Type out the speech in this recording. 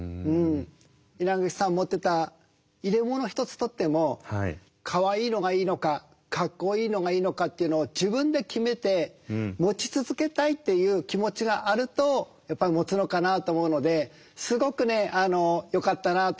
稲垣さん持ってた入れ物一つとってもかわいいのがいいのかかっこいいのがいいのかっていうのを自分で決めて持ち続けたいっていう気持ちがあるとやっぱり持つのかなと思うのですごくねよかったなと思ってます。